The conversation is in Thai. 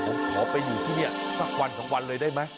ขออยู่ที่นี่สักวันเลยได้ไหม